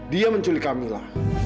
dia menculik kamila